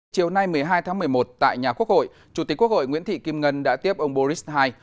chiều nay một mươi hai tháng một mươi một tại nhà quốc hội chủ tịch quốc hội nguyễn thị kim ngân đã tiếp ông boris ii